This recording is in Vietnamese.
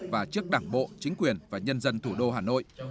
và trước đảng bộ chính quyền và nhân dân thủ đô hà nội